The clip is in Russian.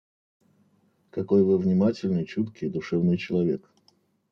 Какой Вы внимательный, чуткий, душевный человек!